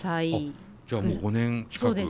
じゃあもう５年近く。